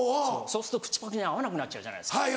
そうすると口パクに合わなくなっちゃうじゃないですか。